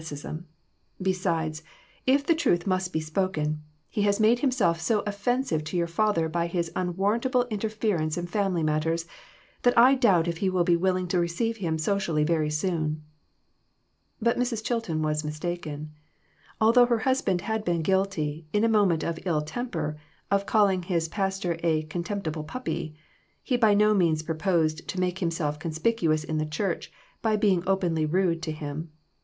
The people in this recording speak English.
cism ; beside, if the truth must be spoken, he has made himself so offensive to your father by his unwarrantable interference in family matteVs that I doubt if he will be willing to receive him socially very soon." But Mrs. Chilton was mistaken. Although her husband had been guilty, in a moment of ill tem per, of calling his pastor a " contemptible puppy," he by no means proposed to make himself con spicuous in the church by being openly rude to him.